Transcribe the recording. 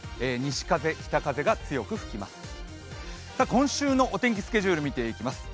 今週のお天気スケジュールを見ていきます。